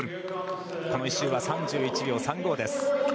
この周は３１秒３５です。